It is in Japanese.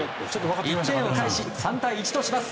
１点を返し３対１とします。